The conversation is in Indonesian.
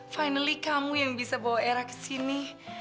finally kamu yang bisa bawa erah kesini